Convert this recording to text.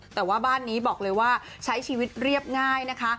แต่ว่าบ้านนี้บอกเลยว่าใช้ชีวิตเรียบง่ายนะคะ